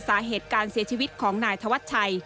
สาเหตุการเสียชีวิตของนายธวัชชัย